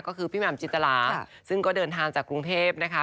ก็คือพี่แหม่มจิตราซึ่งก็เดินทางจากกรุงเทพนะคะ